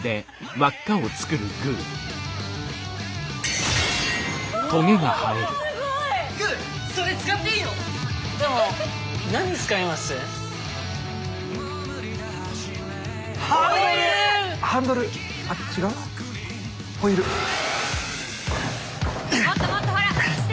もっともっとほら視線！